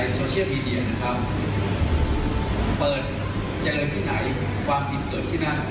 โปรดติดตามตอนต่อไป